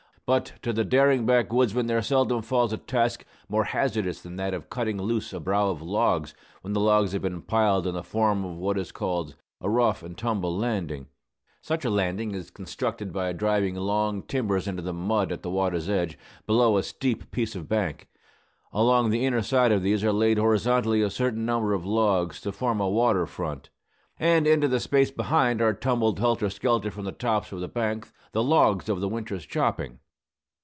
But to the daring backwoodsman there seldom falls a task more hazardous than that of cutting loose a brow of logs when the logs have been piled in the form of what is called a "rough and tumble landing." Such a landing is constructed by driving long timbers into the mud at the water's edge, below a steep piece of bank. Along the inner side of these are laid horizontally a certain number of logs, to form a water front; and into the space behind are tumbled helter skelter from the tops of the bank the logs of the winter's chopping.